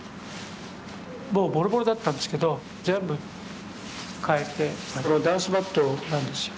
もうボロボロだったんですけど全部変えてこれはダンスマットなんですよ。